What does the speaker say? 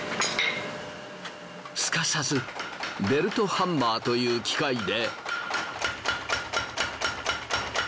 すかさずベルトハンマーという機械で。